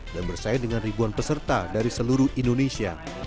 dan bersaing dengan ribuan peserta dari seluruh indonesia